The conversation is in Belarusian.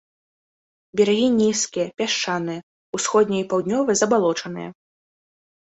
Берагі нізкія, пясчаныя, усходнія і паўднёвыя забалочаныя.